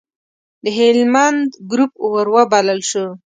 د هلمند ګروپ وروبلل شو.